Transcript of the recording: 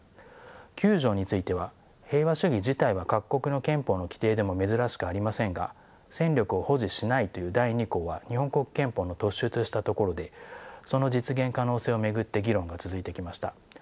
九条については平和主義自体は各国の憲法の規定でも珍しくありませんが戦力を保持しないという第二項は日本国憲法の突出したところでその実現可能性を巡って議論が続いてきました。